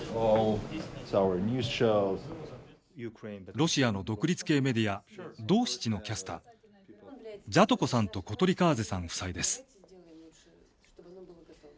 ロシアの独立系メディアドーシチのキャスタージャトコさんとコトリカーゼさん夫妻です。